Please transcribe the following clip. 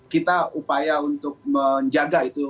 kita upaya untuk menjaga itu